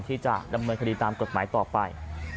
ที่จะดำเนินคดีตามกฎหมายต่อไป